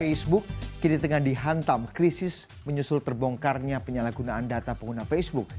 facebook kini tengah dihantam krisis menyusul terbongkarnya penyalahgunaan data pengguna facebook